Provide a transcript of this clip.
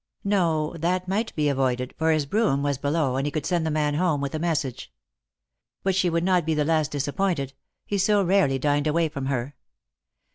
Ho, that might be avoided, for his brougham was below, and he could send the man home with a message. But she would be not the less disappointed ; he so rarely dined away from her.